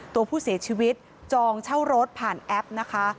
ตัวผู้เสียชีวิตจองเช่ารถผ่านแอปนะคะ